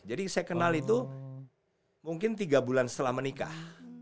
jadi saya kenal itu mungkin tiga bulan setelah menikah